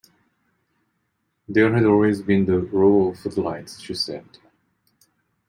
"There had always been the row of footlights," she said.